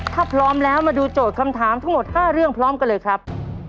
ถ้าพร้อมแล้วมาดูโจทย์คำถามทั้งหมด๕เรื่องพร้อมกันเลยครับ